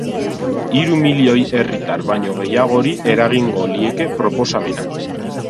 Hiru milioi herritar baino gehiagori eragingo lieke proposamenak.